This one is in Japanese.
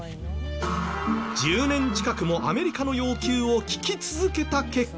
１０年近くもアメリカの要求を聞き続けた結果。